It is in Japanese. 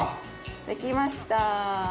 できました。